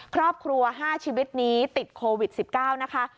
ครอบครัว๕ชีวิตนี้ติดโควิด๑๙นะคะ